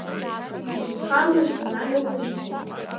Ибхабмыршҭын ажәақәа исҳәаз.